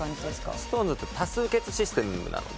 ＳｉｘＴＯＮＥＳって多数決システム。